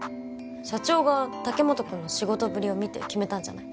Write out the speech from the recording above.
社長が竹本くんの仕事ぶりを見て決めたんじゃない？